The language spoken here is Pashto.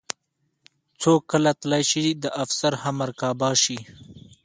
څوک کله تلی شي د افسر همرکابه شي.